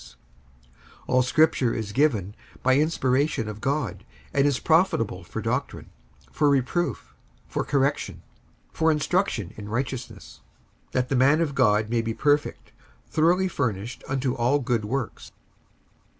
55:003:016 All scripture is given by inspiration of God, and is profitable for doctrine, for reproof, for correction, for instruction in righteousness: 55:003:017 That the man of God may be perfect, throughly furnished unto all good works.